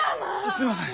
すいません。